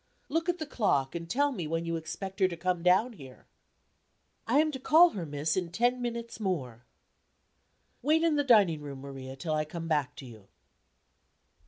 "Look at the clock, and tell me when you expect her to come down here." "I am to call her, miss, in ten minutes more." "Wait in the dining room, Maria, till I come back to you."